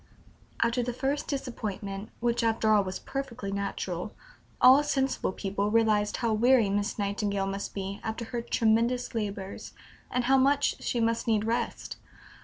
" After the first disappointment which after all was perfectly natural all sensible people realized how weary Miss Nightingale must be after her tremendous labors, and how much she must need rest.